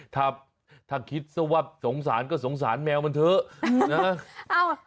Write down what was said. ถ้าคิดซะว่าสงสารก็สงสารแมวมันเถอะนะ